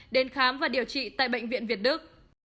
đến khám và điều trị tại bệnh viện việt đức